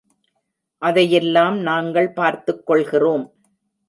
அதையெல்லாம் நாங்கள் பார்த்துக்கொள்கிறோம்.